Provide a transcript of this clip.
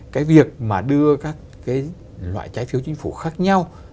cái việc mà đưa các cái loại trái phiếu chính phủ khác nhau